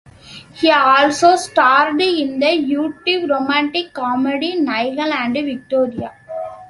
He also starred in the YouTube romantic comedy Nigel and Victoria.